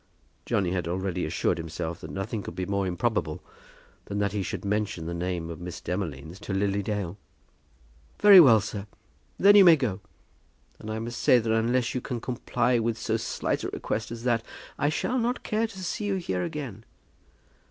Johnny had already assured himself that nothing could be more improbable than that he should mention the name of Miss Demolines to Lily Dale. "Very well, sir. Then you may go. And I must say that unless you can comply with so slight a request as that, I shall not care to see you here again.